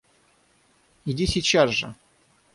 Иди сейчас же!